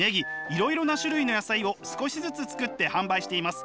いろいろな種類の野菜を少しずつ作って販売しています。